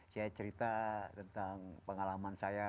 saya cerita tentang pengalaman saya